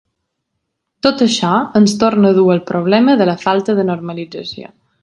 Tot això ens torna a dur al problema de la falta de normalització.